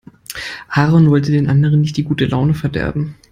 Aaron wollte den anderen nicht die gute Laune verderben.